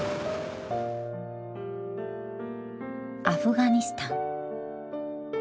アフガニスタン。